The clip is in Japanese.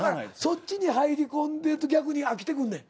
そっちに入り込んでると逆に飽きてくるねん。